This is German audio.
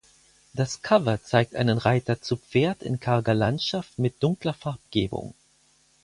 Das Cover zeigt einen Reiter zu Pferd in karger Landschaft mit dunkler Farbgebung.